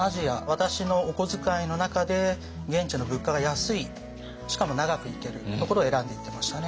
私のお小遣いの中で現地の物価が安いしかも長く行けるところを選んで行ってましたね。